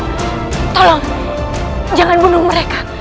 kita tak tolong jangan bunuh mereka